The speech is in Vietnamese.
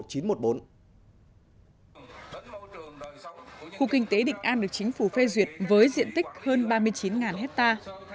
khu kinh tế định an được chính phủ phê duyệt với diện tích hơn ba mươi chín hectare